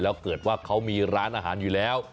แล้วเกิดว่าเขามีร้านอาหารอยู่แล้ว